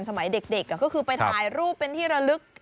สมัยเด็กก็คือไปถ่ายรูปเป็นที่ระลึก